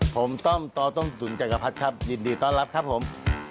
ผมต้อมต่อต้มตุ๋นจักรพรรดิครับยินดีต้อนรับครับผม